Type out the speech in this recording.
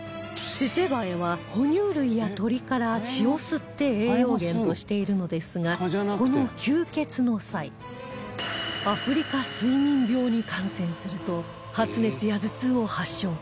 ツェツェバエは哺乳類や鳥から血を吸って栄養源としているのですがこの吸血の際アフリカ睡眠病に感染すると発熱や頭痛を発症